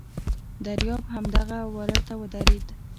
دریاب همدغه وره ته ودرېد.